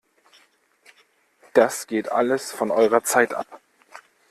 Das geht alles von eurer Zeit ab!